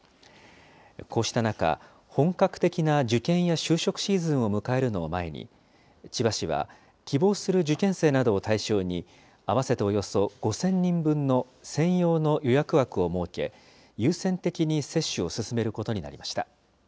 こうした中、本格的な受験や就職シーズンを迎えるのを前に、千葉市は希望する受験生などを対象に、合わせておよそ５０００人分の専用の予約枠を設け、優先的に接種を進めることになりました。